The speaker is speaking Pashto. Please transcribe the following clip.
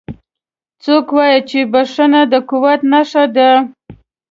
څوک وایي چې بښنه د قوت نښه ده